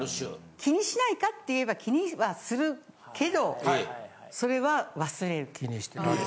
気にしないかって言えば気にはするけどそれは忘れる。え。